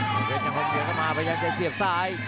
เตรียมกัน๖เดียวก็มาพยายามจะเสียบซ้าย